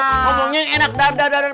ngomongnya enak dadar dadar